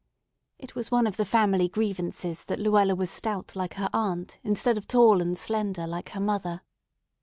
It was one of the family grievances that Luella was stout like her aunt instead of tall and slender like her mother.